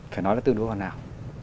phải nói là từng đối hoàn hảo